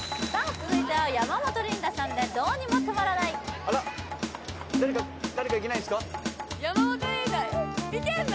続いては山本リンダさんで「どうにもとまらない」あら誰か山本リンダいけんの？